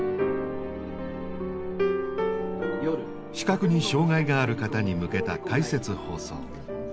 視覚に障害がある方に向けた「解説放送」。